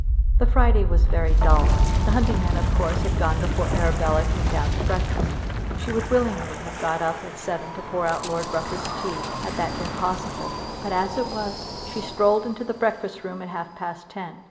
The Friday was very dull. The hunting men of course had gone before Arabella came down to breakfast. She would willingly have got up at seven to pour out Lord Rufford's tea, had that been possible; but, as it was, she strolled into the breakfast room at half past ten.